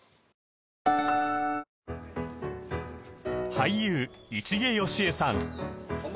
俳優市毛良枝さん